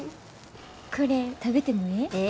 これ食べてもええ？